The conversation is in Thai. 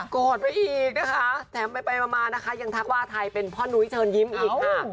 อดไปอีกนะคะแถมไปมานะคะยังทักว่าไทยเป็นพ่อนุ้ยเชิญยิ้มอีกค่ะ